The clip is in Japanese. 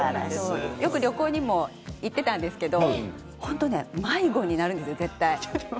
よく旅行にも行っていたんですけど本当に迷子になるんですよ絶対。